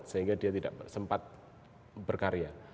sehingga dia tidak sempat berkarya